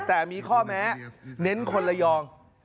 แต่มีข้อแม้เน้นคนระยอง